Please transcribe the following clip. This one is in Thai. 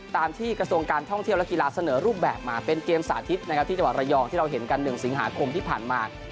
ตามที่กระทรวงการท่องเที่ยวและกีฬาเสนอรูปแบบมาเป็นเกมสาธิตนะครับที่จังหวัดระยองที่เราเห็นกัน๑สิงหาคมที่ผ่านมา